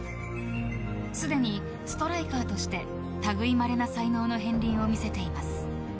すでにストライカーとして類いまれな才能の片りんを見せています。